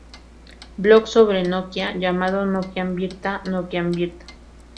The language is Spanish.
Blog sobre Nokia, llamado Nokianvirta:Nokianvirta